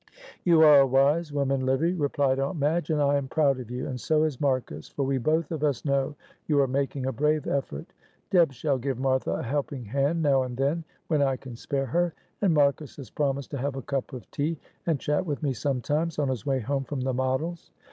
"You are a wise woman, Livy," replied Aunt Madge. "And I am proud of you, and so is Marcus, for we both of us know you are making a brave effort. Deb shall give Martha a helping hand, now and then, when I can spare her. And Marcus has promised to have a cup of tea and chat with me sometimes on his way home from the Models.